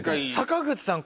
坂口さん。